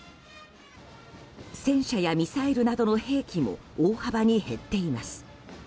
戦車やミサイルなどの兵器も大幅に減っています。